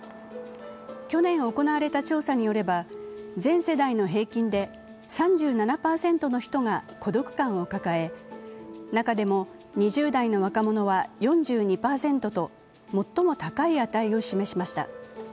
去年行われた調査によれば、全世代の平均で３７％の人が孤独感を抱え中でも２０代の若者は４２％と最も高い値を示しました。